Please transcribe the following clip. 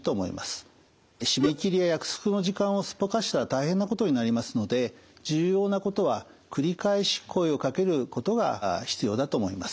締め切りや約束の時間をすっぽかしたら大変なことになりますので重要なことは繰り返し声をかけることが必要だと思います。